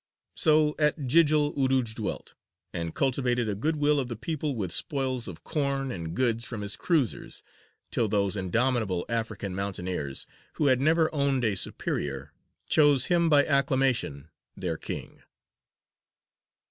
So at Jījil Urūj dwelt, and cultivated the good will of the people with spoils of corn and goods from his cruisers, till those "indomitable African mountaineers," who had never owned a superior, chose him by acclamation their king.